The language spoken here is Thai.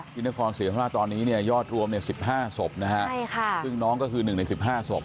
ยินดีความศีรภาพตอนนี้เนี่ยยอดรวม๑๕ศพนะครับคือน้องก็คือ๑ใน๑๕ศพ